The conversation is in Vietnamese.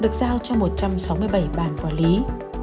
được giao cho một trăm sáu mươi bảy bàn quản lý